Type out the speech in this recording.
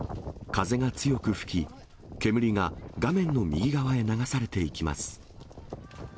風が強く吹き、煙が画面の右側へ流されていきます。